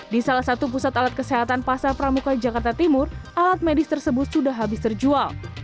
di salah satu pusat alat kesehatan pasar pramuka jakarta timur alat medis tersebut sudah habis terjual